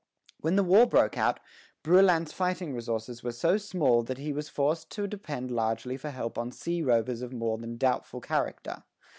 When the war broke out, Brouillan's fighting resources were so small that he was forced to depend largely for help on sea rovers of more than doubtful character.